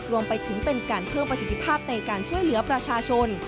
รวมไปถึงเป็นการเพิ่มประสิทธิภาพในการช่วยเหลือประชาชน